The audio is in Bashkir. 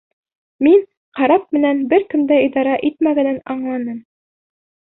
Мин карап менән бер кем дә идара итмәгәнен аңланым.